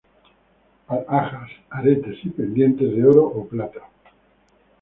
Alhajas: aretes y pendientes de oro o plata.